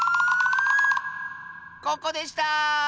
ここでした！